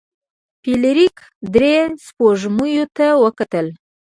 فلیریک درې سپوږمیو ته وکتل.